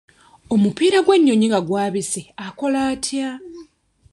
Omupiira gw'ennyonyi nga gwabise akola atya?